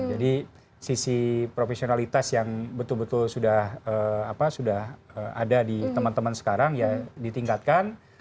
jadi sisi profesionalitas yang betul betul sudah ada di teman teman sekarang ya ditingkatkan